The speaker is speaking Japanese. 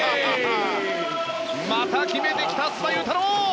また決めてきた須田侑太郎！